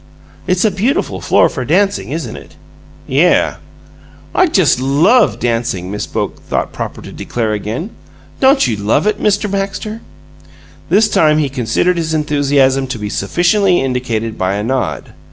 "It's a beautiful floor for dancing, isn't it?" "Yeh." "I just love dancing," Miss Boke thought proper to declare again. "Don't you love it, Mr. Baxter?" This time he considered his enthusiasm to be sufficiently indicated by a nod.